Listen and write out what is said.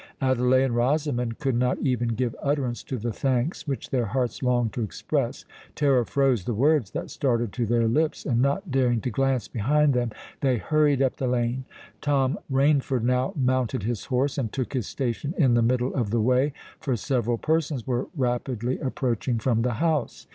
Adelais and Rosamond could not even give utterance to the thanks which their hearts longed to express: terror froze the words that started to their lips; and, not daring to glance behind them, they hurried up the lane. Tom Rainford now mounted his horse, and took his station in the middle of the way; for several persons were rapidly approaching from the house.